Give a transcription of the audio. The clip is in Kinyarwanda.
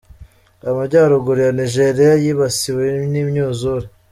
Amajyaruguru ya Nigeria yibasiwe n’imyuzure